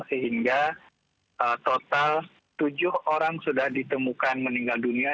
sehingga total tujuh orang sudah ditemukan meninggal dunia